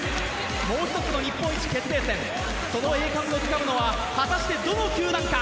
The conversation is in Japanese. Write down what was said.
もう１つの日本一決定戦その栄冠をつかむのは果たしてどの球団か。